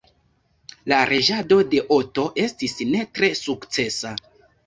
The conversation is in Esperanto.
La reĝado de Otto estis ne tre sukcesa.